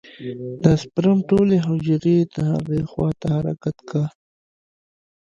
د سپرم ټولې حجرې د هغې خوا ته حرکت کا.